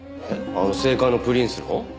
あの政界のプリンスの？